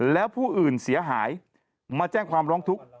แล้วผู้อื่นเสียหายมาแจ้งความร้องทุกข์